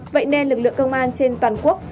vậy nên lực lượng công an trên toàn quốc